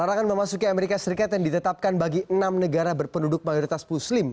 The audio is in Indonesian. larangan memasuki amerika serikat yang ditetapkan bagi enam negara berpenduduk mayoritas muslim